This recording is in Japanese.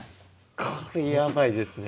これヤバいですね。